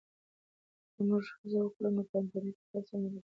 که موږ هڅه وکړو نو په انټرنیټ کې هر څه موندلی سو.